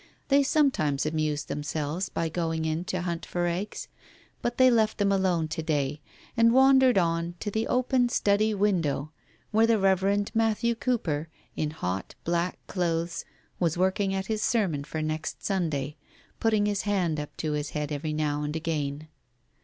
They sometimes amused themselves by going in to hunt for eggs, but they left them alone to day, and wandered on to the open study window, where the Reverend Matthew Cooper, in hot, black clothes, was working at his sermon for next Sunday, putting his hand up to his head every now and again.